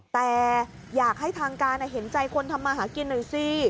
แต่อยากให้ทางการเห็นใจคนทำมาหากินหน่อยสิ